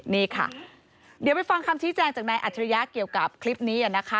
นี่ค่ะเดี๋ยวไปฟังคำชี้แจงจากนายอัจฉริยะเกี่ยวกับคลิปนี้นะคะ